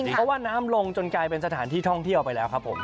เพราะว่าน้ำลงจนกลายเป็นสถานที่ท่องเที่ยวไปแล้วครับผม